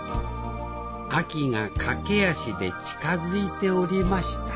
秋が駆け足で近づいておりました